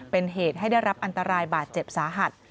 เป็นเหตุให้ได้รับอันตรายบาดเจ็บสาหัส